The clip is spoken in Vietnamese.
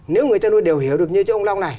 nếu người chân nuôi đều hiểu được như ông long này